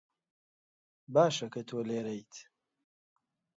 باشە کە تۆ لێرەیت.